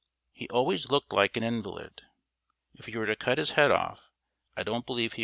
He always looked like an invalid. If you were to cut his head off, I don't believe he would bleed a pint.